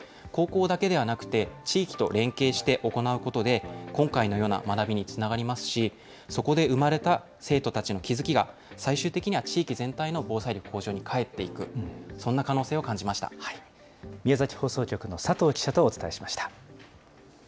高校だけではなくて、地域と連携して行うことで、今回のような学びにつながりますし、そこで生まれた生徒たちの気付きが、最終的には地域全体の防災力向上に返っていく、そんな可能性を感じまし宮崎放送局の佐藤記者とお伝えしました。